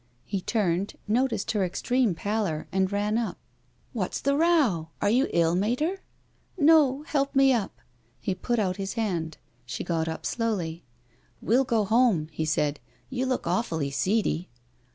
He turned, noticed her extreme pallor, and ran up. " What's the row ? Are you ill, Mater ?" "No. Help me up." He i)ut out his hand. She got up slowly. " We'll go home," he said. " You look awfully seedy."